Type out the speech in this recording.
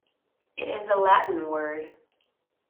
It is a Latin word.